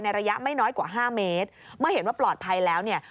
ระยะไม่น้อยกว่าห้าเมตรเมื่อเห็นว่าปลอดภัยแล้วเนี่ย